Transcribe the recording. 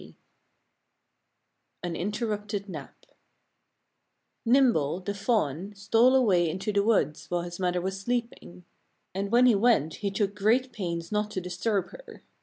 III AN INTERRUPTED NAP Nimble, the fawn, stole away into the woods while his mother was sleeping. And when he went he took great pains not to disturb her.